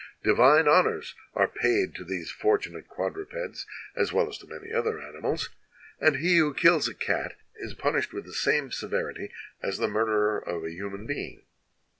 Divine honors are paid to these fortunate quadrupeds as well as to many other animals, and he who kills a cat is punished with the same severity as the murderer of a human being."